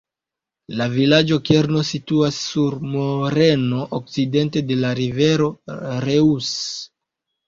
La vilaĝo-kerno situas sur moreno okcidente de la rivero Reuss.